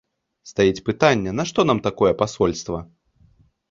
Стаіць пытанне, нашто нам такое пасольства?